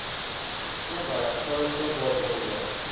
او ورقها را دوبار بر زد.